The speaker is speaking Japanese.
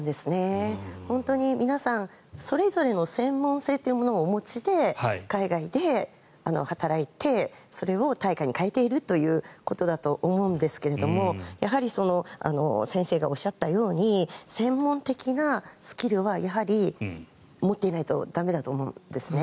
本当に皆さんそれぞれの専門性というものをお持ちで海外で働いてそれを対価に変えているということだと思うんですけれどやはり先生がおっしゃったように専門的なスキルはやはり持っていないと駄目だと思うんですね。